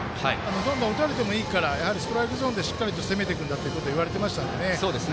どんどん打たれてもいいからストライクゾーンでしっかりと攻めてくんだということを言われてましたんで。